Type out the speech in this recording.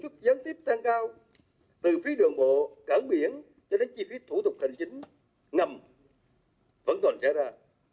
chuyên gia kiến nghị về chi phí sản xuất gián tiếp tăng cao từ phí đường bộ cảng biển cho đến chi phí thủ tục thành chính ngầm vẫn còn sẽ ra